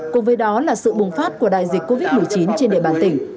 cùng với đó là sự bùng phát của đại dịch covid một mươi chín trên địa bàn tỉnh